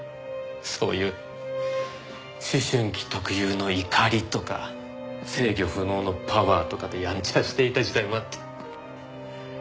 そういう思春期特有の怒りとか制御不能のパワーとかでやんちゃしていた時代もあって。